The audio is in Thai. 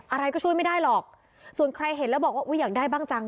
อะไรก็ช่วยไม่ได้หรอกส่วนใครเห็นแล้วบอกว่าอุ้ยอยากได้บ้างจัง